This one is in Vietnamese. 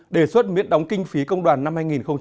đề xuất miễn đóng kinh phí công đoàn năm hai nghìn hai mươi